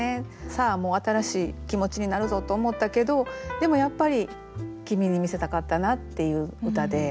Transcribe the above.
さあもう新しい気持ちになるぞと思ったけどでもやっぱりきみに見せたかったなっていう歌で。